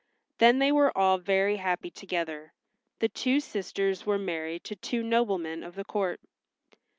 Then they were all very happy together. The two sisters were married to two noblemen of the court.